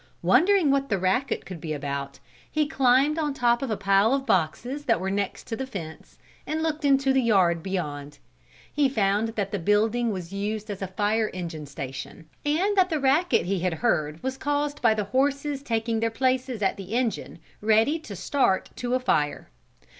Wondering what the racket could be about, he climbed on top of a pile of boxes that were next to the fence and looked into the yard beyond. He found that the building was used as a fire engine station, and that the racket he had heard was caused by the horses taking their places at the engine ready to start to a fire.